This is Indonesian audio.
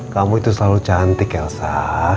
kamu itu selalu cantik elsa